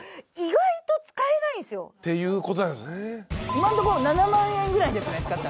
今のとこ７万円ぐらいですね使ったの。